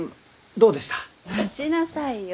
待ちなさいよ！